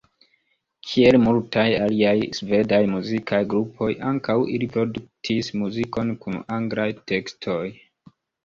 Kiel multaj aliaj svedaj muzikaj grupoj, ankaŭ ili produktis muzikon kun anglaj tekstoj.